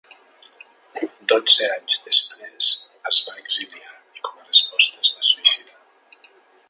Dotze anys després es va exiliar i com a resposta es va suïcidar.